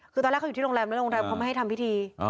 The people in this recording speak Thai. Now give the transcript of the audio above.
คือตอนแรกเขาอยู่ที่โรงแรมแล้วโรงแรมเขาไม่ให้ทำพิธี